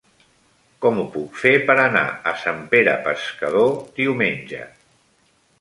Com ho puc fer per anar a Sant Pere Pescador diumenge?